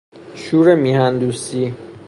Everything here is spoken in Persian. شور میهن دوستی